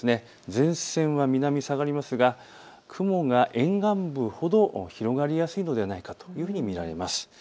前線は南に下がりますが雲が沿岸部ほど広がりやすいのではないかというふうに見られます。